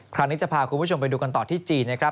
คราวนี้จะพาคุณผู้ชมไปดูกันต่อที่จีนนะครับ